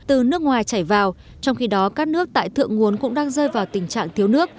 từ nước ngoài chảy vào trong khi đó các nước tại thượng nguồn cũng đang rơi vào tình trạng thiếu nước